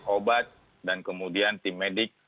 obat dan kemudian tim medik